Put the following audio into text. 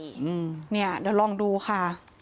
เดี๋ยวลองดูค่ะ